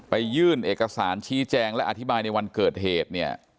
ยื่นเอกสารชี้แจงและอธิบายในวันเกิดเหตุเนี่ย